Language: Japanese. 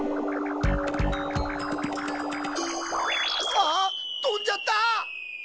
あっとんじゃった！